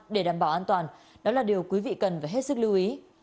để đảm bảo an toàn đó là điều quý vị cần phải hết sức lưu ý